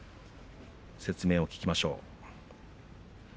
説明を聞きましょう。